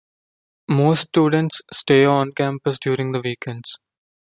Most students stay on-campus during the weekends.